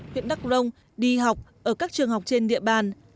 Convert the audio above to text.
huyện đắk rông đi học ở các trường học trên địa bàn